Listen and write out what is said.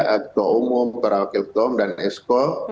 agung umum para wakil kom dan esko